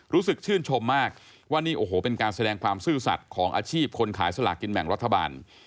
รู้สึกชื่นชมมากว่านี่โอ้โหเป็นการแสดงความซื่อสัตว์ของอาชีพคนขายสลากินแบ่งรัฐบาล